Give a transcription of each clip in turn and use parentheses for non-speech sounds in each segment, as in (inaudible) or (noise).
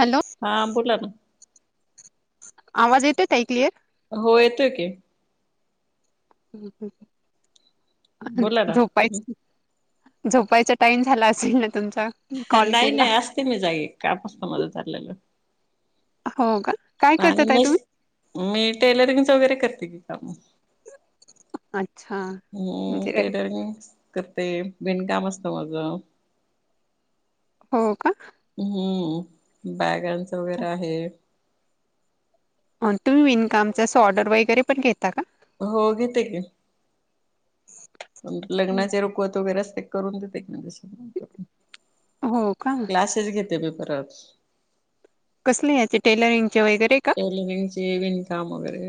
Hello हां बोला ना आवाज येते ताई क्लिअर हो येतोय की हं हं बोला ना झोपायच झोपायचा टाइम झाला असेल ना तुमचा कॉल नाही केला. नाही असते मी जागी काम असत माझ चाललेल होव का काय करता आणि ताई मिस तुम्ही? मी टेलरिंगच वगैरे करते की काम अच्छा हम्म म्हणजे टेलरिंग करते विणकाम असत माझ हो का हम्म बॅगांच वगैरे आहे तुम्ही विणकाम अस ऑर्डर वगैरे पण घेता का हो घेते की लग्नाचे रुखवत वगैरे असते करून देते म्हणजे हो का क्लासेस घेते मी परत- कसले याचे टेलरिंगचे वैगैरे का टेलेरिंग चे विणकाम वगैरे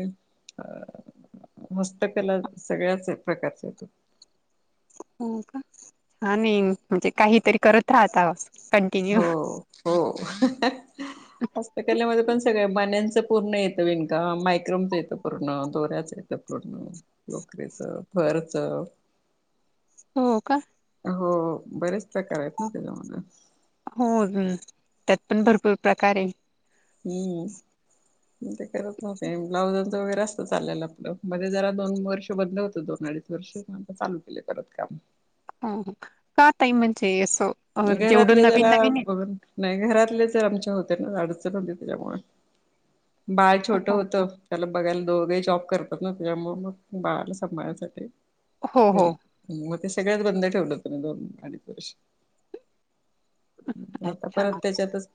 हस्तकला सगळ्याच प्रकारच येत. हो का आणि म्हणजे काहीतरी करत राहता. कंटिन्यू हो हो हहह. हस्तकलेमध्ये पण सगळ्या बाण्याचं पूर्ण येतं विणकाम मायक्रोमच येतं पूर्ण दोऱ्याच य. ते पूर्ण लोकरीच फरच. हो का. हो हो बरेच प्रकार आहेत ना त्याच्या मधुन. हो ह त्यात पण भरपूर प्रकार हे. हम्म ते करत होते ब्लाउजाच वगैरे अस. तो चाललेला कुठं, मध्ये जरा दोन वर्षे बंद होत दोन अडीच वर्ष नंतर चालू केले परत काम. ह ह, का ताई म्हणजे असं अ, जेवढं घरातले नवीन नवीन घरात आहे. बघत नाही घरातले तर आमच्या होते ना अडचण होती त्यामुंळ, बाळ छोटं हो होतं त्याला बघायला दोघे जॉब करतात ना त्याच्यामुळ मग बाळाला सांभाळण्यासाठी हो हो घरी मग ते सगळ्यात बंद ठेवलं तु दोन अडीच वर्ष. आता अच्छा परत त्याच्यातच,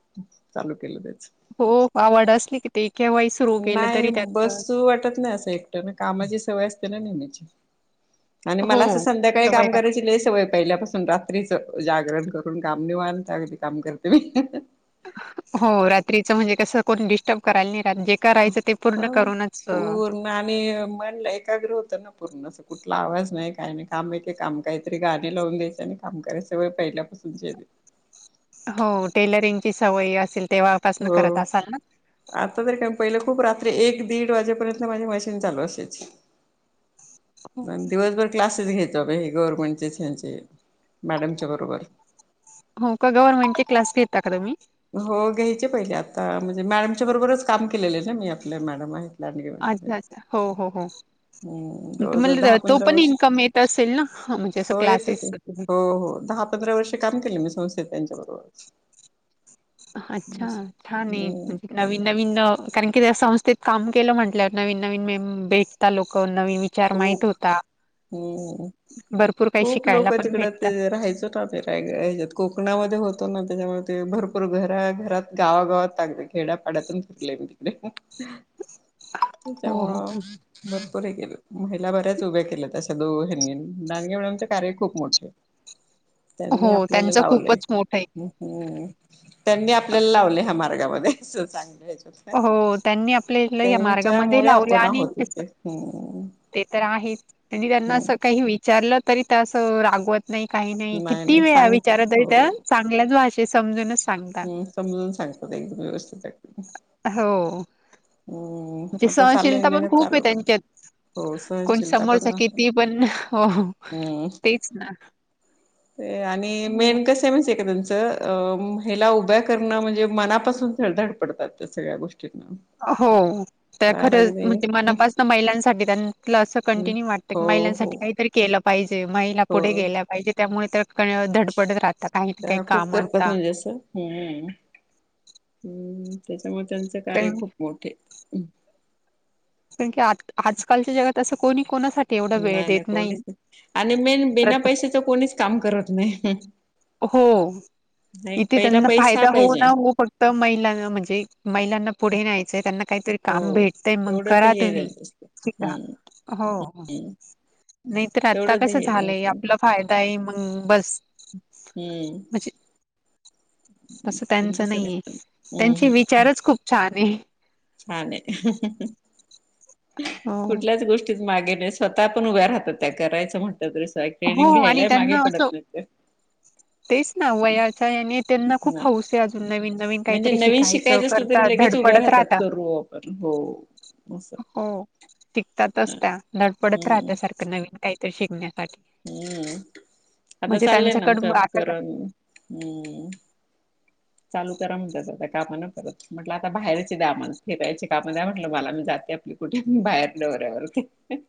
चालू केलं त्याच. हो आवड असली की ते केव्हाही सुरू केलं नाही तरी त्यात बसू वाटत नाही असं एक तेनं कामाची सवय असते ना नेहमीची आणि हो मला असं संध्याकाळी सवय काम लागते. करायची लई सवय पहिल्यापासून रात्रीच, जागरण करून काम निवांत अगदी काम करते मी अहअह. हो रात्रीच म्हणजे कसं कोण डिस्टोप करायला नाहीे रात्री. करायचं ते पूर्ण करूनच अ म आणि मन एकाग्र होतं ना पूर्ण अस कुठला आवाज नाही काय नाही काम एके काम काही तरी गाणी लावून द्यायच काम करायचं व्हयं पहिल्यापासून जे आहे ते हो टेलरिंग ची सवय असेल तेव्हापासून करत हो असाल ना आता तर काय पहिलं खूप रात्री एक दीड वाजेपर्यंत माझी मशीन चालू असायची. हो मग दिवसभर क्लासेस घ्यायचो मी गव्हर्नमेंटचेच ह्यांचे, मॅडमच्या बरोबर. हो का, गव्हर्नमेंट चे क्लास घेता का तुम्ही? हो घ्यायचे पहिले आता म्हणजे मॅडमच्या बरोबरच काम केलेले ना मी आपल्या मॅडम आहे अच्छा-अच्छा हो हो हो. हम्म जवळजवळ दहा तुम्हाला तो पंधरा पण वर्ष इन्कम येत असेल ना म्हणजे असं हो येतो की क्लासेस हो हो दहा पंधरा वर्ष काम केले मी संस्थेत त्यांच्याबरोबर. अच्छा, ठाने‌ हम्म म्हणजे नवीन-नवीन कारण की त्या संस्थेत काम केलं म्हटल्यावर नवीन-नवीन मेम भेटता लोक नवीन विचार खूप, माहित होता. हम्म भरपूर काही खूप शिकायला लोक पण जिकडं भेटतं. ते राहायचो ना भेर काय ह्याच्यात कोकणामध्ये होतो ना त्याच्यामुळे ते भरपूर घरात-घरात गावागावात टागते खेड्यापाड्यातून डकले भी तिकले हो तेच्यामुळं हो. भरपूर हे केलं. महिला बऱ्याच उभ्या केल्यात अशा दोघं हेन्नी, डांगे मॅडमच कार्य खूप मोठं. हो त्यांनी हो आपल्याला त्यांचं लावलय खूपच मोठं आहे ह हम्म, त्यांनी आपल्याला लावलय ह्या मार्गामध्ये सु चांगल्या याच्यात. हो, त्यांनी आपले इथलं या मार्गामध्ये लावल्या आपण आणि आहोत त्येच इथे हम्म ते तर आहेच, तेन्ही त्यांना असं हम्म काही विचारलं तरी त्या असं रागवत नाई काही नाही, किती नाही वेळा सांगतात विचारा तरी हो त्या चांगल्याच भाषेत समजूनच सांग ह समजून सांगतात एक दम व्यवस्थित हे हो, म्हणजे आता चाललंय सहनशीलता पण नाही खूप हे चालू कर त्यांच्यात. हो कोण सहनशीलता पण समोरचा किती पण, हो हो हम्म तेच ना ते आणि, मेन कसं कस आहे माहित आहे का त्यांच, महिला उभ्या करण म्हणजे मनापासून (inaudible) सगळ्या गोष्टींना हो त्या तर खरंच अगदी म्हणजे मनापासनं महिलांसाठी त्यां, असं कंटिन्यू वाटतं की हो हो महिलांसाठी काहीतरी केलं पाहिजे, महिला पुढे हो गेल्या पाहिजे त्यामुळे तर काही धडपडत राहतात, काही आहेत काय काम आता हम्म-हम्म, त्याच्यामुळे त्यांचं कारण कार्य खूप मोठे. तेकी आठ, आजकालच्या जगात असं कोणी कोणासाठी एवढा वेळ नाही-नाही देत कोणीच नाही, आणि मेन बिना प्रत्ये पैशाच कोणीच काम करत नाही. हो, नाही इथे पहिला त्यांना पैसा फायदा हो पाहिजे ना हो फक् त‌ महिलांना म्हणजे, महिलांना पुढे न्यायचंय त्यांना काहीतरी हो काम भेटतंय मग तेवढं ते करा हे तुम्ही द्यायचं असतं शिका, हम्म हो नाही तर आता तेवढंच कस ध्येय झालंय, तुमचं आपला फायदा आहे मग बस. हम्म म्हजे!.. असं तुमचं त्यांचं सगळ नाहीये आहे, त्यांचे विचारच खूप छान आहे. हा काय? हो. कुठल्याच गोष्टीच की, मागे त्या स्वतः आपण उभा राहत होता, त्या करायचं म्हन! (unintelligible) य ट्रेनिंग हो आणि घ्यायलाय मागे त्यांना पडत असं नाहीत त्या तेच ना वयाचा आणि त्यांना खूप नाही हऊस! ते अजून नवीन-नवीन म्हणजे काहीतरी नवीन शिकायचं असलं तरी करतात, लगेच उभ्या धडपडत राहतात. करू आपण हो असं हो टिकतातच त्या धडपडत राहत्या हम्म सारखं नवीन काहीतरी शिकण्यासाठी? हम्म! आता म्हणजे चाललंय ना त्यांच्याकडून आमच्यात आता का- करून हम्म! चालू करा म्हणातात, आता कामा द्या परत म्हटल आता बाहेरचे द्या आम्हाला, फिरायची कामं द्या म्हटलं मला मी जाते. मी कुठे बाहेर नवऱ्याबरोबर हां हां! !..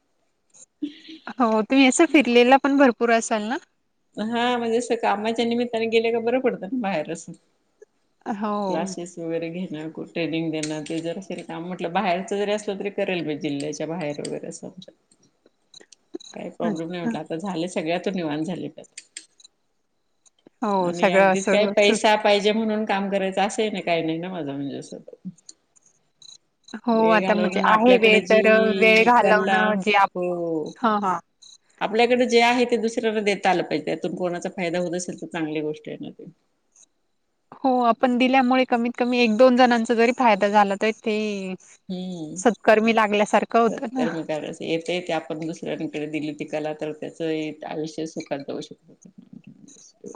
हो तुम्ही असं फिरलेला पण भरपूर असाल ना? हा म्हणजे असं कामाच्या निमित्ताने गेले का? बरं पडतं ना बाहेर असून. हो क्लासेस वगैरे घेणं ट्रेनिंग देणं ते जर असेल काम म्हटलं बाहेरचं जरी असलं तरी करेल मी जिल्ह्याच्या बाहेर वगैरे (unintelligible) (inaudible) (unintelligible) काही प्रॉब्लेम नाही अच्छा म्हटलं, आता झाले सगळ्यातुन आता निवांत झाले. हो आणि सगळं अगदीच काय असं असं- पैसा पाहिजे, म्हणून काम करायचं असे ना काही नाही ना माझं म्हणजे असं हो वेळ आता म्हणजे घालवून आहे वेळ आपल्याकडे तर वेळ जी कला घालवणं जे आप हो. हांहा! ! आपल्याकडे जे आहे ते दुसऱ्याला देता आलं पाहिजे, त्यातून कोणाचा फायदा होत असेल तर, चांगली गोष्ट आहे ना? हो आपण दिल्यामुळे कमीत कमी एक दोन जणांचा जरी फायदा झाला तरी ठिक हम्म. सत्कर्मी लागल्यासारखं होतं ना! येतेय ते आपण दुसऱ्यांकडे दिली ती कला, तर त्याचं आयुष्य सुखांत होऊ शकत.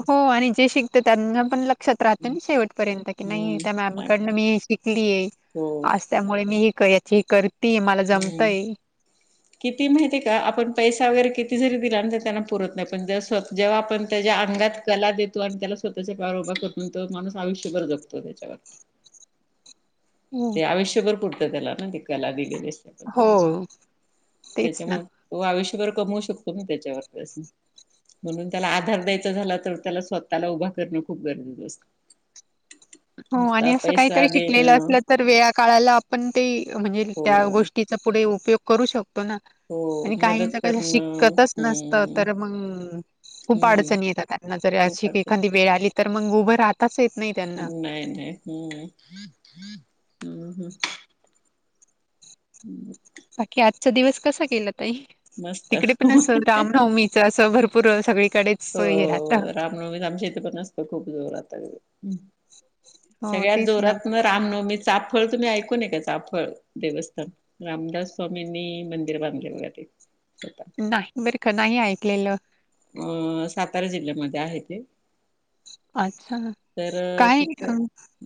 हो आणि जे शिकत त्यांना पण ल लक्ष्यात राहत न शेवटपर्यंत की, नाही त्या हम्म मॅमकडन मी शिकलीय हो आस त्यामुळे मी ही याची ही करते मला हम्म जमतय किती माहिती आहे का? आपण पैसा वगैरे किती जरी दिला ना, त त्यांना पुरत नाही पण जेव्हा आपण त्याच्या अंगात कला देतो आणि त्याला स्वतःच्या पायावर उभा करतो, तो माणूस आयुष्यभर जगतो त्याच्यावर हो ते आयुष्यभर पुरतं, त्याला ना ते कला दिलेले. हो... तेच ना? तो आयुष्यभर कमवू शकतो, ना त्याच्यावर पैसा म्हणून त्याला आधार द्यायच झाला तर, त्याला स्वतःला उभा करण खूप गरजेच असत. हो, आणि अस काहीतरी पैसा शिकलेल देणं असल तर वेळा-काळाला आपण ते, म्हणजे हो त्या गोष्टीचा पुढे उपयोग करू शकतो ना. हो आणि काहींच मदत कस करणं शिकतच नसत हम्म तर मंग खूप हम्म अडचणी येतात त्यांना जर खूप अशी अडचण. एखांदी वेळ आली तर, मंग उभं राहत ताच येत नाही त्यांन नाही नाही, हम्म हम्म ह. हम्म ह बाकी आजचा दिवस कसा गेला ताई?, मस्त तिकडे पण अस रामनवमी? त अस भरपूर सगळीकडे हो, रामनवमीत अमाच्या इथ पण असतं खूप जोरात, हम्म हो, तेच ना रत्न रामनवमी चाफळ तुम्ही ऐकून ये का, चाफळ देवस्थान? रामदास स्वामींनी मंदिर बांधले बघा ते, स्वतः. नाही बर का, नाही ऐकलेलं. अ सातारा जिल्ह्यामध्ये आहे ते. अच्छा, तर काय तिथ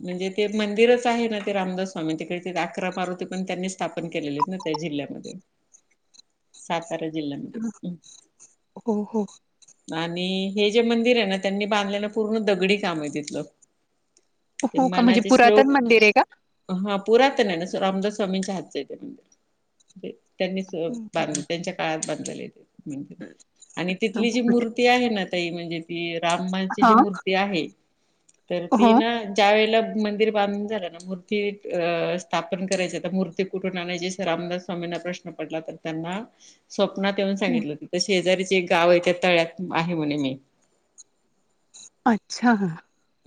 म्हणजे ते मंदिरच आहे ना ते रामदास स्वामी तिकडे, ते अकरा मारुती पण त्यांनी स्थापन केलेलेत ना. त्या जिल्ह्यामध्ये (unintelligible) सातारा जिह्यामध्ये, हम्म हो हो आणि हे जे मंदिर आहे ना त्यांनी बांधलेल पूर्ण दगडी काम आहे तिथलं. ते हो का म्हणजे मनाचे श्लोक पुरातन मंदिर आहे का? हा पुरातन आहे ना, रामदास स्वामीच्या हातचं आहे ते. त्यांनीच अ बांध त्यांच्या काळात बांधलेले ते, हम्म आणि तिथली जी मूर्ती आहे ना ताई, म्हणजे ती अ रामाची हा जी हो मूर्ती आहे, तर ती हां ना त्या वेळेला मंदिर बांधून झालं ना, मूर्ती अ स्थापन करायच तर मूर्ती कुठन आणायची, असा रामदास स्वामीना प्रश्न पडला तर त्यांना स्वप्नात येऊन हो. सांगितलं, तिथं शेजारीच एक गाव आहे त्या तळ्यात आहे म्हणे मी अच्छा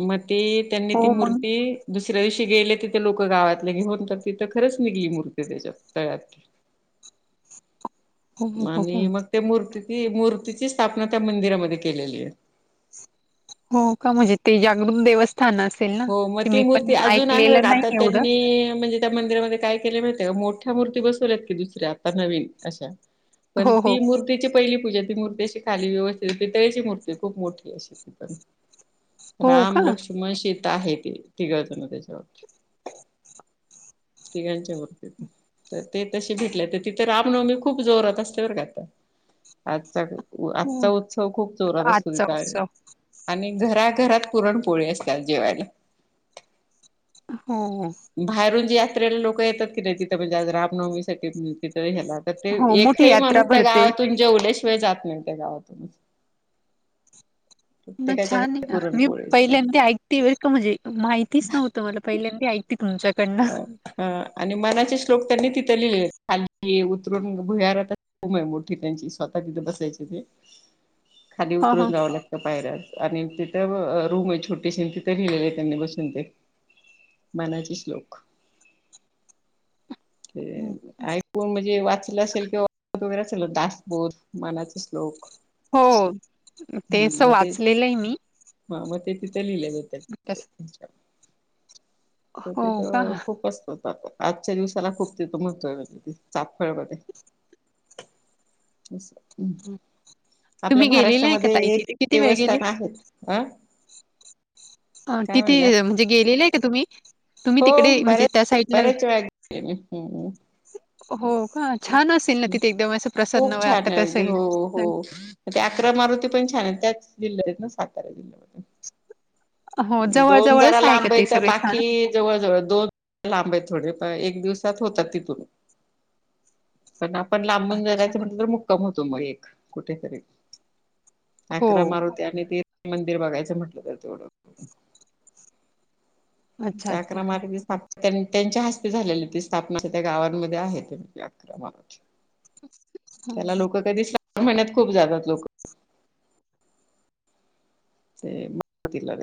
मग ती, त्यांनी हो ती मग मूर्ती दुसऱ्या दिवशी गेले तिथे लोक गावातले घेऊन तर तिथं खरंच निघली मूर्ती त्याच्यात तळ्यात हो हो म हो हो. आणि मग ते मूर्तीची, मूर्तीची स्थापना त्या मंदिरामध्ये केलेली आहे. हो का, म्हणजे ते जागृत देवस स्थान असेल न? हो म ती मूर्ती अजून आहे बर का, आता एवढं त्यांनी म्हणजे त्या मंदिरामध्ये काय केलय माहित आहे का, मोठ्या मूर्ती बसवल्यात की दुसऱ्या आता नवीन अशा पण हो हो ती मूर्तीची पहिली पूजा, ती मूर्ती अशी खाली व्यवस्थित पितळेची मूर्ती खूप मोठी अशी ती पण हो का राम, लक्ष्मण, सीता आहे ती तिघजण त्याच्यावर तिघांच्या मूर्ती तिथं, तर ते तसे भेटले तर तिथे रामनवमी खूप जोरात असते बर का आता. आजचा उ आजचा हो उत्सव खूप जोरात असतो आजचा तिथ उत्सव आणि घराघरात पुरण पोळी असत्या जेवायला. हो हो. बाहेरून जी यात्रेला लोक येतात किनई तिथं म्हणजे आज रामनवमीसाठी म्हणून. तिथ एकही हेना तर ते हो मोठी एकही यात्रा माणूस त्या भरते गावातून जेवल्याशिवाय जात नाही त्या गावातून. मग प्रत्येकाच्या छान आहे घरात ना. मी पुरणपोळीच पहिल्यांदी ऐक- (inaudible) म्हणजे माहितीच नव्हतं मला पहिल्यांदा ऐकते तुमच्याकडनं. ह आणि मनाचे श्लोक त्यांनी तिथं लिहिलेले आहे. खालती उतरून भुयारात. (inaudible) मोठी त्यांची स्वतः तिथे बसायचे ते. (inaudible) खाली ह ह उतरून जाऊला. पायऱ्यात आणि तिथं रूम आहे छोटीशी तिथे लिहिलेले आहे त्यांनी बसून ते. मनाचे श्लोक. कोण म्हणजे वाचलं असेल किंवा (inaudible) वगैरे असेल दासबोध, मनाचा श्लोक. हो ते असं वाचलेले आहे मी. मग ते तिथे लिहिलेले त्यांच्या तर हो. का तिथं खूप असतो आजच्या दिवसाला खूप तिथे महत्व आहे चाफकळ मध्ये. (inaudible) आपल्या तुम्ही गेलेले आहे का महाराष्ट्रामध्ये ताई एक तिथे किती वेळ गेले देवस्थान आहे. आं आ तिथे म्हणजे गेलेले आहे का तुम्ही? तुम्ही तिकडे हो म्हणजे त्या बऱ्याच साईडला- बऱ्याच वेळा गेले मी हम्म हो का छान असेल ना तिथे एकदम असं प्रसन्न खूप छान वाटत आहे अगदी असेल. हो हो ते अकरा मारुती पण छान आहे त्याच जिल्ह्यात आहेत ना सातारा जिल्ह्यात. हो, दोन जवळ-जवळच जरा आहे का लांब ते आहेत, सगळे स्थान? बाकी- जवळ जवळ हे. दोन लांब आहेत थोडे प एक दिवसात होतात तिथून. पण आपण लांबून अच्छा. जायचं म्हटलं तर मुक्काम होतो मग एक कुठेतरी. हो. अकरा मारुती आणि ते एक मंदिर बघायचं म्हटलं तर तेवढं. अच्छा, त्या अच्छा. आकरा मारुती स्थाप- त्यां त्याच्या हस्ते झालेली ती स्थापना त्या गावांमध्ये आहे ते अकरा मारुती. हां. त्याला लोक कधी श्रावण महिन्यात खूप जातात लोक. ते मारुतीला त्या.